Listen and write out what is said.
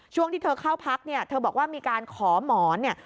ช่วงที่เธอเข้าพักเนี่ยเธอบอกว่ามีการขอหมอนเนี่ย